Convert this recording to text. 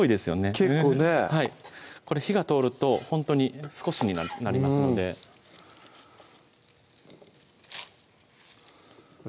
結構ねこれ火が通るとほんとに少しになりますのでよ